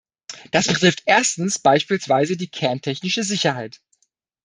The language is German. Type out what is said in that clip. Das betrifft erstens beispielsweise die kerntechnische Sicherheit.